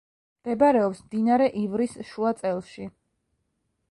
მდებარეობს მდინარე ივრის შუა წელში.